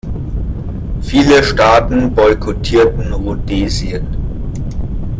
Viele Staaten boykottierten Rhodesien.